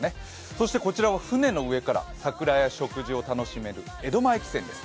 そしてこちらは船の上から桜や食事を味わえる江戸前汽船です。